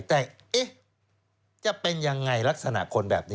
แต่จะเป็นยังไงลักษณะคนแบบนี้